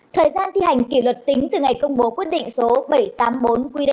thời gian thi hành kỷ luật tính từ ngày công bố quyết định số bảy trăm tám mươi bốn qd